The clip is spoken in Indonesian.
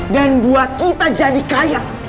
dan buat kita jadi kaya